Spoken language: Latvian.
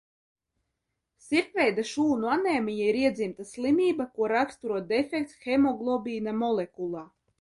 Sirpjveida šūnu anēmija ir iedzimta slimība, ko raksturo defekts hemoglobīna molekulā.